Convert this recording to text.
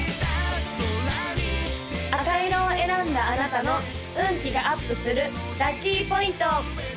赤色を選んだあなたの運気がアップするラッキーポイント！